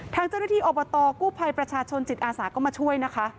ทางเจ้าหน้าที่อบตกู้ภัยประชาชนจิตอาสาก็มาช่วยนะคะ